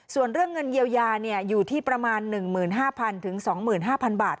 ส่วนเรื่องเงินเยียวยาอยู่ที่ประมาณ๑๕๐๐๒๕๐๐บาท